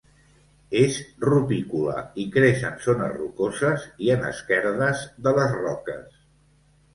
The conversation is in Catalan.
És rupícola i creix en zones rocoses i en esquerdes de les roques.